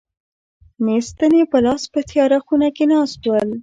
مې ستنې په لاس په تیاره خونه کې ناست ول.